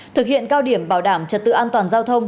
thực hiện cao điểm bảo đảm trật tự an toàn giao thông